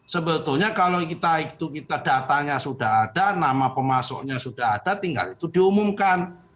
sebetulnya kalau kita datanya sudah ada nama pemasoknya sudah ada tinggal itu diumumkan